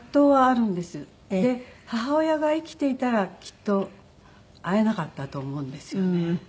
で母親が生きていたらきっと会えなかったと思うんですよね。